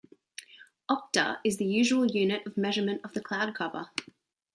Okta is the usual unit of measurement of the cloud cover.